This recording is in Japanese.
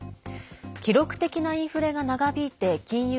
記録的なインフレが長引いて金融